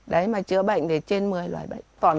đấy mà chữa bệnh thì trên một mươi loài bệnh